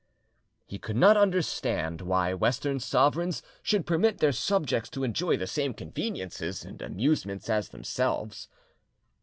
He could not understand why Western sovereigns should permit their subjects to enjoy the same conveniences and amusements as themselves.